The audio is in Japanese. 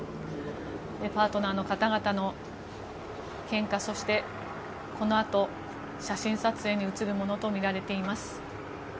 パートナーの方々の献花そして、このあと写真撮影に移るものとみられています。